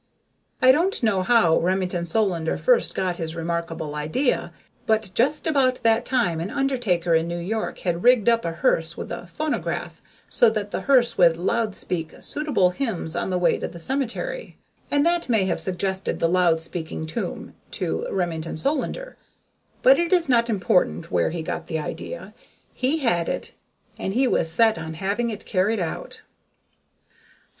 I don't know how Remington Solander first got his remarkable idea, but just about that time an undertaker in New York had rigged up a hearse with a phonograph so that the hearse would loud speak suitable hymns on the way to the cemetery, and that may have suggested the loud speaking tomb to Remington Solander, but it is not important where he got the idea. He had it, and he was set on having it carried out.